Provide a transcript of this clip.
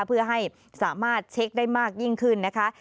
เพื่อให้สามารถเช็คได้มากยิ่งขึ้นนะคะ